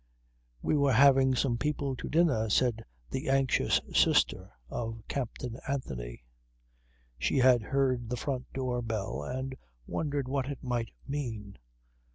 "We were having some people to dinner," said the anxious sister of Captain Anthony. She had heard the front door bell and wondered what it might mean.